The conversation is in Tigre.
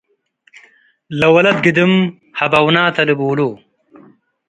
“ለወለት ገድም ሀበውነ ተ” ልቡሉ ።